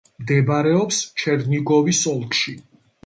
მდებარეობს ჩერნიგოვის ოლქში.